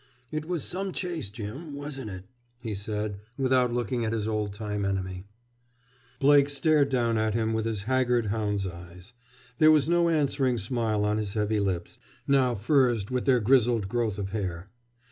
"It was some chase, Jim, wasn't it?" he said, without looking at his old time enemy. Blake stared down at him with his haggard hound's eyes; there was no answering smile on his heavy lips, now furzed with their grizzled growth of hair.